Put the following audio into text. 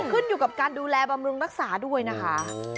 ขึ้นอยู่กับการดูแลบำรุงรักษาด้วยนะคะ